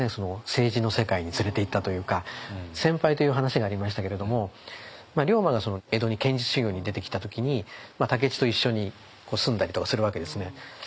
政治の世界に連れていったというか先輩という話がありましたけれども龍馬が江戸に剣術修行に出てきた時に武市と一緒に住んだりとかするわけですね。